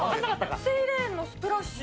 セイレーンのスプラッシュ。